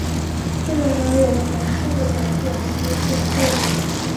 这种鸟有着红色的短腿和黑色的喙。